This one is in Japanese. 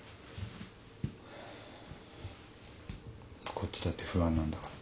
こっちだって不安なんだから。